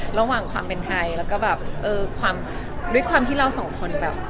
ระหว่างความเป็นไทยแล้วก็แบบเออความด้วยความที่เราสองคนแบบ